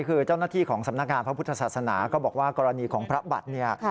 คือเจ้าหน้าที่ของสำนักงานพระพุทธศาสนาก็บอกว่ากรณีของพระบัตรเนี่ย